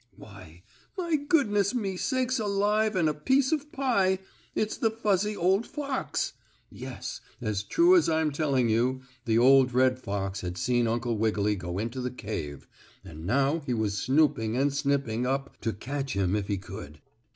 Why, my goodness me sakes alive and a piece of pie! It's the fuzzy old fox! Yes, as true as I'm telling you, the old red fox had seen Uncle Wiggily go into the cave, and now he was snooping and snipping up to catch him if he could.